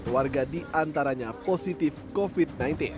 empat warga di antaranya positif covid sembilan belas